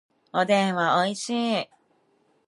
おでんはおいしい